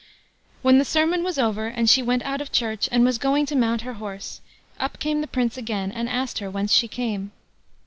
When the sermon was over, and she went out of church and was going to mount her horse, up came the Prince again, and asked her whence she came.